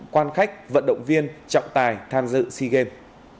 quan khách vận động viên trọng tài tham dự sea games